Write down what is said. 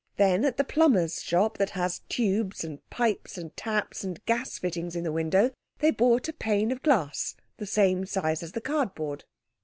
Then at the plumber's shop, that has tubes and pipes and taps and gas fittings in the window, they bought a pane of glass the same size as the cardboard.